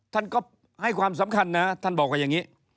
ท่านก็ให้ความสำคัญนะท่านบอกว่าอย่างนี้